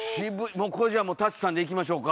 もうこれじゃあもう舘さんでいきましょうか。